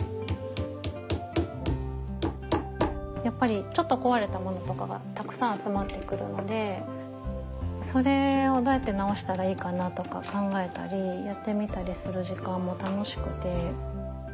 やっぱりちょっと壊れたものとかがたくさん集まってくるのでそれをどうやって直したらいいかなとか考えたりやってみたりする時間も楽しくて。